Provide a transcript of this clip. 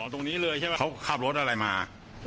ตรงนี้เลยใช่ไหมเขาขับรถอะไรมา